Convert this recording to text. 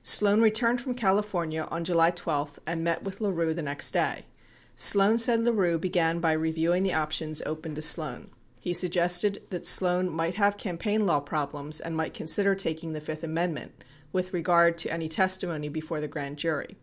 82 Sloan returned from California on July 12 and met with LaRue the next day. Sloan said LaRue began by reviewing the options open to Sloan. He suggested that Sloan might have campaign law problems and might consider taking the fifth amendment with regard to any testimony before the grand jury.